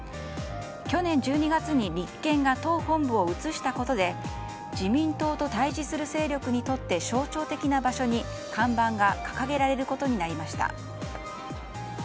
去年１２月に立憲が党本部を移したことで自民党と対峙する勢力にとって象徴的な場所に看板が掲げられることになりました。